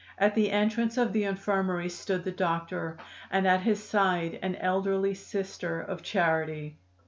At the entrance of the infirmary stood the doctor, and at his side an elderly Sister of Charity.